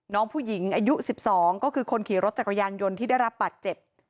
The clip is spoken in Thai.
น้องผู้หญิงอายุ๑๒ก็คือคนขี่รถจักรยานยนต์ที่ได้รับบาดเจ็บ